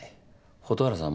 蛍原さん